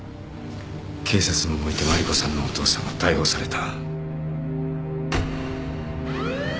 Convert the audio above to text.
警察も動いて麻里子さんのお父さんは逮捕された。